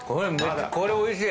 これおいしい！